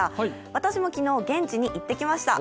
私も昨日、現地に行ってきました。